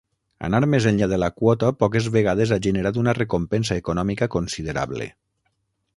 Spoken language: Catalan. Anar més enllà de la quota poques vegades ha generat una recompensa econòmica considerable.